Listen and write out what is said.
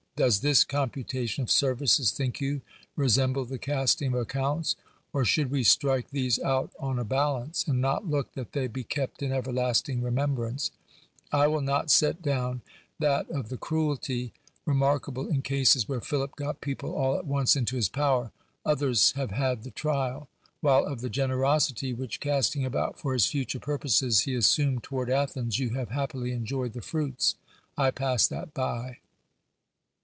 Does this computation of services, think you, resemble the casting ^f. accounts ? Or should we strike these out on a balance, and not look that they be kept in everlasting remembrance ? I will not si^t down, that of the cruelty, remarkable in eases where Philip got people all at once into his power, others have had the trial ; while of the generosity, which, casting about for his future purposes, he assumed toward Athens, you have happily enjoyed the fruits. I pass that by.